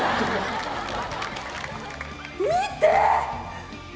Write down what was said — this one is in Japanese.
見て！